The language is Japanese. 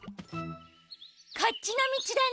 こっちのみちだね。